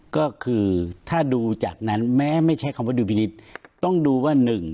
ก็คือถ้าดูจากนั้นแม้ไม่ใช่คำว่าดุลพินิษฐ์ต้องดูว่า๑